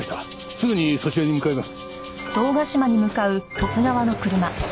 すぐにそちらに向かいます。